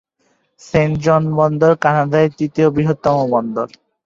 Saint John বন্দর কানাডার তৃতীয় বৃহত্তম বন্দর।